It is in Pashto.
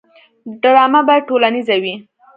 ډرامه باید ټولنیزه وي